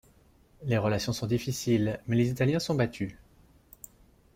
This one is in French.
Les relations sont difficiles, mais les Italiens sont battus.